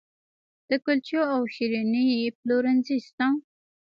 د کلچو او شیریني پلورنځي شته